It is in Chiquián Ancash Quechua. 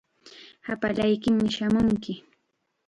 Hapallaykim shamunki.